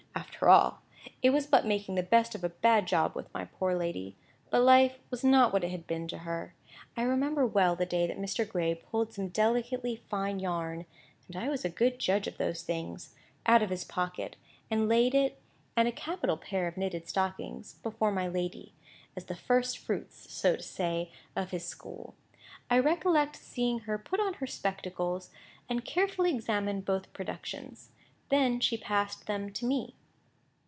After all, it was but making the best of a bad job with my poor lady—but life was not what it had been to her. I remember well the day that Mr. Gray pulled some delicately fine yarn (and I was a good judge of those things) out of his pocket, and laid it and a capital pair of knitted stockings before my lady, as the first fruits, so to say, of his school. I recollect seeing her put on her spectacles, and carefully examine both productions. Then she passed them to me.